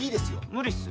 無理っす。